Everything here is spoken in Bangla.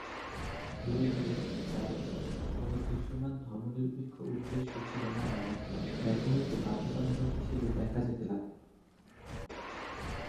ধীরে ধীরে, যাইহোক, কোন দৃশ্যমান ধর্মনিরপেক্ষ উদ্দেশ্য ছিল না এমন ব্যবহারকে বাধ্যতামূলক হিসাবে দেখা যেতে লাগল।